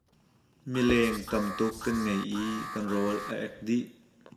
Mileng tam tuk kan ngei i kan rawl a ek dih.